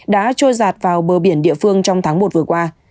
đã trôi giạt vào bờ biển địa phương trong tháng một vừa qua